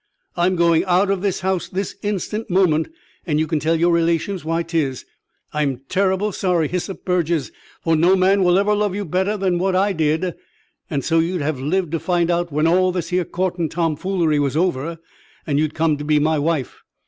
I'm going out of this house this instant moment, and you can tell your relations why 'tis. I'm terrible sorry, Hyssop Burges, for no man will ever love you better than what I did; and so you'd have lived to find out when all this here courting tomfoolery was over, and you'd come to be my wife.